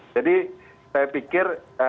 jadi saya pikir